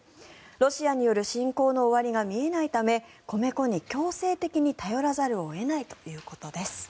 ロシアによる侵攻の終わりが見えないため米粉に強制的に頼らざるを得ないということです。